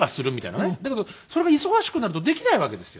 だけどそれが忙しくなるとできないわけですよ。